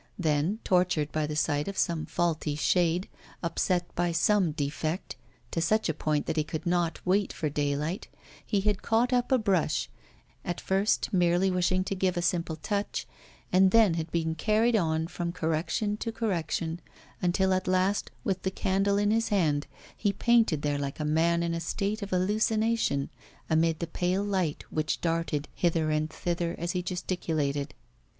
Then, tortured by the sight of some faulty shade, upset by some defect, to such a point that he could not wait for daylight, he had caught up a brush, at first merely wishing to give a simple touch, and then had been carried on from correction to correction, until at last, with the candle in his hand, he painted there like a man in a state of hallucination, amid the pale light which darted hither and thither as he gesticulated.